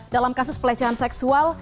dalam kasus pelecehan seksual